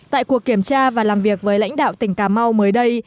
tại cuộc kiểm tra và làm việc với lãnh đạo tỉnh cà mau mới đây